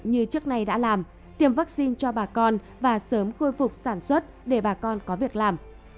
như trước nay đã làm tiêm vaccine cho bà con và sớm khôi phục sản xuất để bà con có việc làm